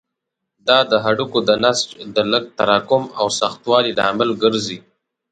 دا د هډوکو د نسج د لږ تراکم او سختوالي لامل ګرځي.